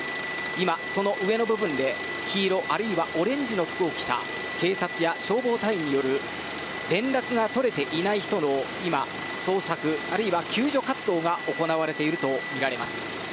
今、その上の部分で黄色あるいはオレンジの服を着た警察や消防隊員による連絡が取れていない人の今、捜索あるいは救助活動が行われているとみられます。